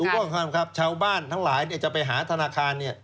ข้อความครับชาวบ้านทั้งหลายจะไปหาธนาคารเนี่ย